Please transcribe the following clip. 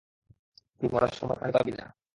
তুই মরার সময় পানি পাবি না!